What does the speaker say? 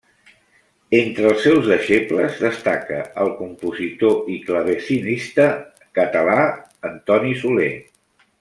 Entre els seus deixebles destaca el compositor i clavecinista català Antoni Soler.